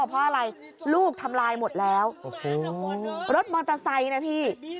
เพราะอะไรลูกทำลายหมดแล้วรถมอเตอร์ไซค์นะพี่